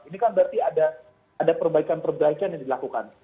ini kan berarti ada perbaikan perbaikan yang dilakukan